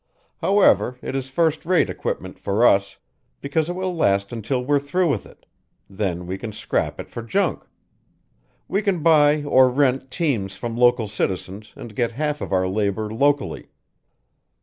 However, it is first rate equipment for us, because it will last until we're through with it; then we can scrap it for junk. We can buy or rent teams from local citizens and get half of our labour locally.